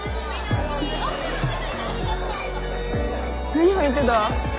何入ってた？